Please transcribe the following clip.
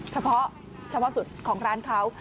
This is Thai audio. เฉพาะสูตรของร้านเขา